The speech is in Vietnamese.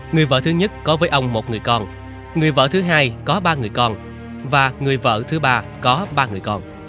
người vợ thứ nhất có với ông một người con người vợ thứ hai có ba người con và người vợ thứ ba có ba người con